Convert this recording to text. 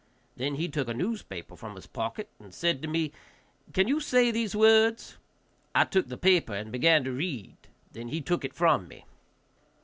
Then he took a newspaper from his pocket and said to me, "Can you say these words?" I took the paper and began to read, then he took it from me.